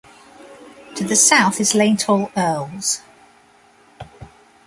To the south is Leinthall Earls.